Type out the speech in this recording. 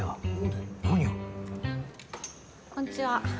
こんちは。